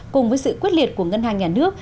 cùng với sự quyết liệt của ngân hàng nhà nước